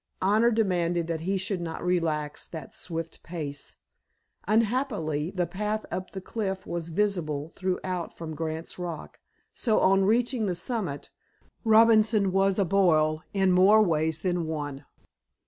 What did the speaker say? Honor demanded that he should not relax that swift pace. Unhappily, the path up the cliff was visible throughout from Grant's rock, so, on reaching the summit, Robinson was a boil in more ways than one.